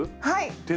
はい！